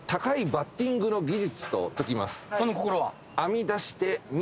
その心は？